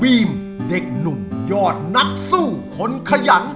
เป็นเด็กหนุ่มยอดนักสู้คนขะหยั่น